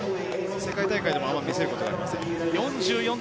世界大会でもあまり見せることができません。